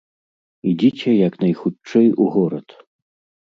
Ідзіце як найхутчэй у горад.